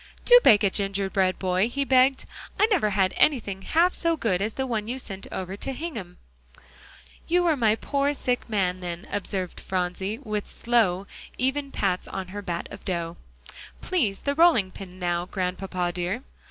"Do bake a gingerbread boy," he begged. "I never had anything half so good as the one you sent over to Hingham." "You were my poor sick man then," observed Phronsie, with slow, even pats on her bit of dough. "Please, the rolling pin now, Grandpapa dear."